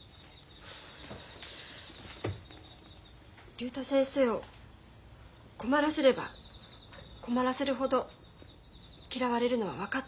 竜太先生を困らせれば困らせるほど嫌われるのは分かっています。